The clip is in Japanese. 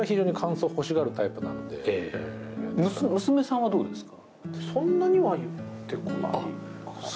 娘さんはどうですか？